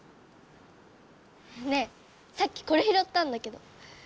ねえさっきこれひろったんだけど！